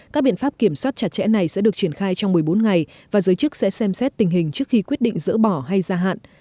các biện pháp kiểm soát chặt chẽ này sẽ được triển khai trong một mươi bốn ngày và giới chức sẽ xem xét tình hình trước khi quyết định dỡ bỏ hay gia hạn